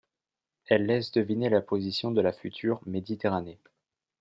Elle laisse deviner la position de la future Méditerranée.